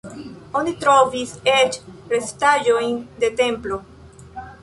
Oni trovis eĉ restaĵojn de templo.